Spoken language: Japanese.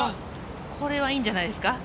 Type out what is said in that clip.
これはいいんじゃないですか。